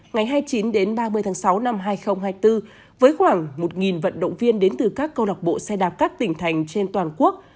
ngày hai mươi chín đến ba mươi tháng sáu năm hai nghìn hai mươi bốn với khoảng một vận động viên đến từ các câu lạc bộ xe đạp các tỉnh thành trên toàn quốc